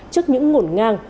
trước những ngổn ngang